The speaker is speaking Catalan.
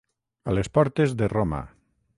A les portes de Roma.